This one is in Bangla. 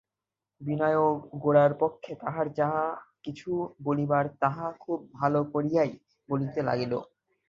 বিনয়ও গোরার পক্ষে তাহার যাহা-কিছু বলিবার তাহা খুব ভালো করিয়াই বলিতে লাগিল।